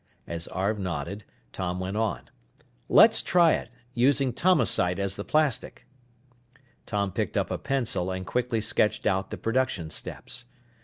As Arv nodded, Tom went on, "Let's try it, using Tomasite as the plastic." Tom picked up a pencil and quickly sketched out the production steps.